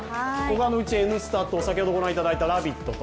「Ｎスタ」と、先ほどご覧いただいた「ラヴィット！」と